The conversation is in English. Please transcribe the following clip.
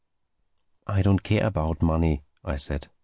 "I don't care about money," I said.